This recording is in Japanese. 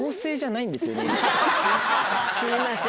すいません。